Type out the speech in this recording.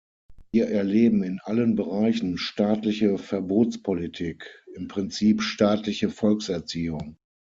Wir erleben in allen Bereichen staatliche Verbotspolitik, im Prinzip staatliche Volkserziehung.